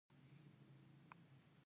ډيپلومات د ډیپلوماتیکو اصولو پابند وي.